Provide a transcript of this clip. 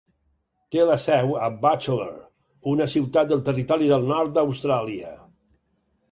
Té la seu a Batchelor, una ciutat del Territori del Nord d'Austràlia.